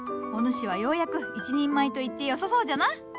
お主はようやく一人前と言ってよさそうじゃな。